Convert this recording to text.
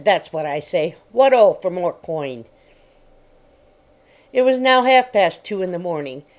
That's wot I say. Wot 'o for more coin." It was now half past two in the morning.